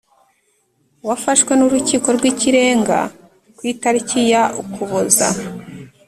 wafashwe n Urukiko rw Ikirenga ku itariki ya Ukuboza